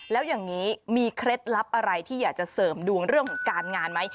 แล้วอย่างนี้มีเคล็ดลับอะไรที่อยากจะเสริมดวงเรื่องของการงานไหม